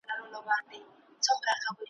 او چي سېل سي د پیل زور نه په رسیږي ,